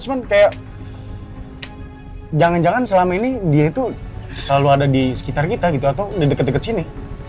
cuman kayak jangan jangan selama ini dia itu selalu ada di sekitar kita gitu atau di dekat dekat sini